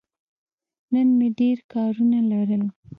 نن مې ډېر کارونه لرل.